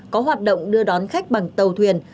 có hoạt động đưa đón khách bằng tàu thuyền